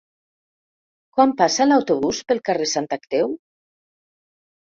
Quan passa l'autobús pel carrer Santa Creu?